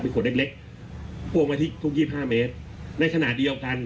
เป็นขวดเล็กพวงมาที่๒๕เมตรในขณะเดียวกัน